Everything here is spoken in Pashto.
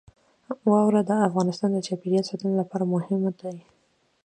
واوره د افغانستان د چاپیریال ساتنې لپاره مهم دي.